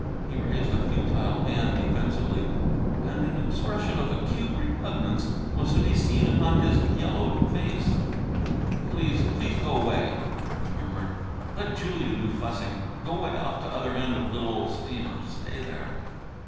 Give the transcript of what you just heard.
He raised a futile hand defensively, and an expression of acute repugnance was to be seen upon his yellowed face. "Please, please go 'way," he murmured. "Let Julia do fussing. Go way off to other end of little old steamer; stay there."